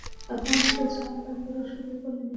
এখনও তো ঝামেলা করা শুরুই করিনি।